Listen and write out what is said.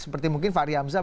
seperti mungkin fahri hamzah